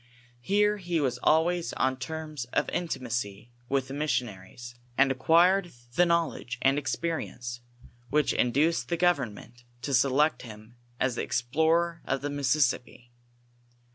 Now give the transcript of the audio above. Here he was always on terms of inti macy with the missionaries, and acquired the knowledge and experience which induced the government to select him as the explorer of the Mississippi.